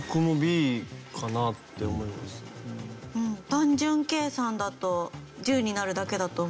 単純計算だと１０になるだけだと思う。